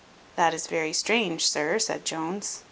"That is very strange, sir," said Jones.